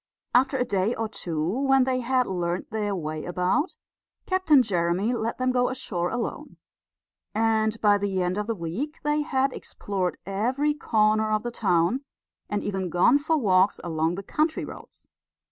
After a day or two, when they had learned their way about, Captain Jeremy let them go ashore alone; and by the end of the week they had explored every corner of the town, and even gone for walks along the country roads.